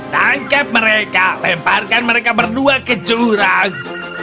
tangkap mereka lemparkan mereka berdua ke jurang